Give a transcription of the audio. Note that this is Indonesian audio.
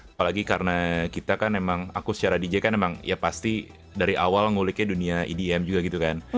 apalagi karena kita kan emang aku secara dj kan emang ya pasti dari awal nguliknya dunia edm juga gitu kan